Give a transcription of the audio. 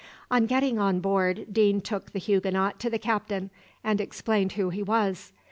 On getting on board, Deane took the Huguenot to the captain, and explained who he was.